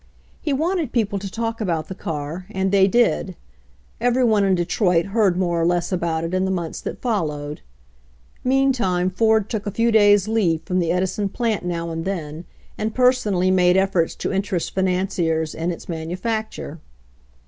He wanted people to talk about the car, and they did. Every one in Detroit heard more or less about it in the months that followed. Mean time Ford took a few days' leave from the Edi son plant now and then and personally made ef forts to interest financiers in its manufacture.